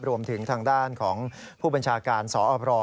รวมถึงทางด้านของผู้บัญชาการสอพร